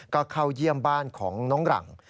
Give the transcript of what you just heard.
ก็เข้าเยี่ยมบ้านของน้องหลัง